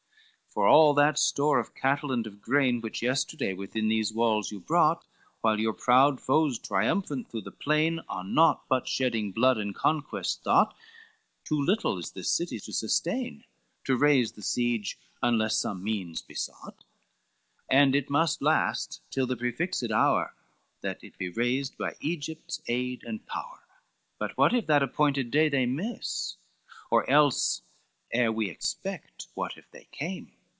XLIII "For all that store of cattle and of grain Which yesterday within these walls you brought, While your proud foes triumphant through the plain On naught but shedding blood, and conquest thought, Too little is this city to sustain, To raise the siege unless some means be sought; And it must last till the prefixed hour That it be raised by Egypt's aid and power. XLIV "But what if that appointed day they miss? Or else, ere we expect, what if they came?